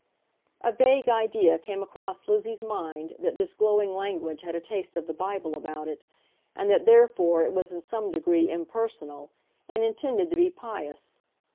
A vague idea came across Lizzie's mind that this glowing language had a taste of the Bible about it, and that, therefore, it was in some degree impersonal, and intended to be pious.